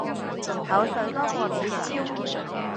口水多過茶